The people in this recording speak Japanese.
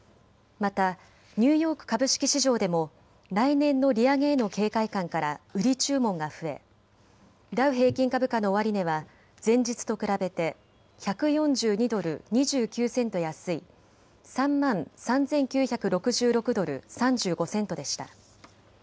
またニューヨーク株式市場でも来年の利上げへの警戒感から売り注文が増えダウ平均株価の終値は前日と比べて１４２ドル２９セント安い３万３９６６ドル３５セントでした。